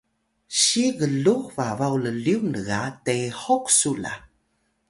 si glux babaw llyung lga tehuk su la